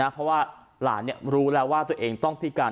เพราะว่าหลานรู้แล้วว่าตัวเองต้องพิการ